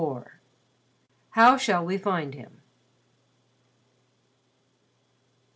XXIV "HOW SHALL WE FIND HIM?"